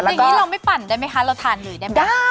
อย่างนี้เราไม่ปั่นได้ไหมคะเราทานเลยได้ไหม